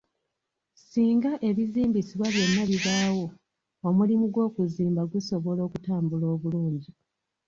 Singa ebizimbisibwa byonna bibaawo, omulimu gw'okuzimba gusobola okutambula obulungi.